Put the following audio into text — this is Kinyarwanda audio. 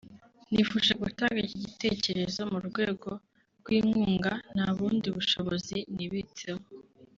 nifuje gutanga iki gitekerezo mu rwego rw’inkunga (nta bundi bushobozi nibitseho